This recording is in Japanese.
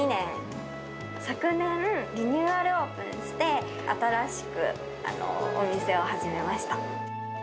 昨年、リニューアルオープンして、新しくお店を始めました。